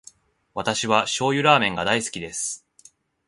私は醤油ラーメンが大好きです。